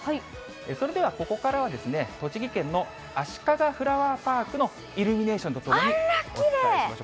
それでは、ここからは栃木県の足利フラワーパークのイルミネーションとともにお伝えしましょう。